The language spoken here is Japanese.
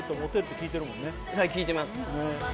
はい聞いてます